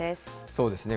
そうですね。